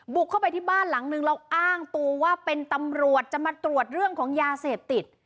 บุกเข้าไปที่บ้านหลังนึงแล้วอ้างตัวว่าเป็นตำรวจจะมาตรวจเรื่องของยาเสพติด